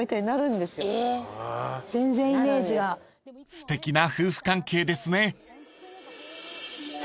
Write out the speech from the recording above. ［すてきな夫婦関係ですね］